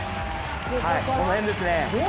この辺ですね。